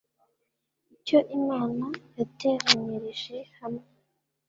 icyo imana yateranyirije hamwe